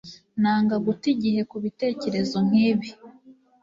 Nanga guta igihe kubitekerezo nkibi.